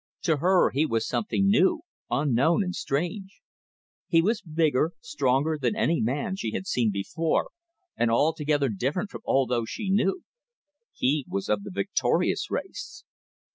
To her he was something new, unknown and strange. He was bigger, stronger than any man she had seen before, and altogether different from all those she knew. He was of the victorious race.